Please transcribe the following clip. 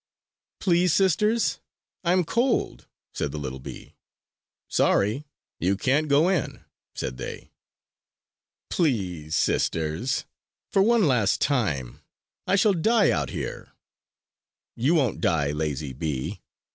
"Please, sisters, I am cold!" said the little bee. "Sorry! You can't go in!" said they. "Please, sisters, for one last time! I shall die out here!" "You won't die, lazy bee!